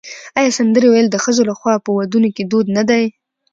آیا سندرې ویل د ښځو لخوا په ودونو کې دود نه دی؟